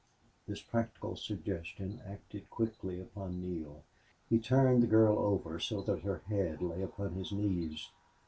This practical suggestion acted quickly upon Neale. He turned the girl over so that her head lay upon his knees.